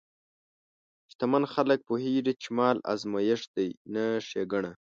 شتمن خلک پوهېږي چې مال ازمېښت دی، نه ښېګڼه.